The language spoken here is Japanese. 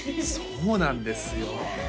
そうなんですよ